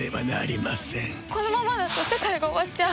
このままだと世界が終わっちゃう。